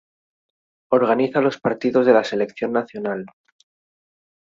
Organiza los partidos de la selección nacional.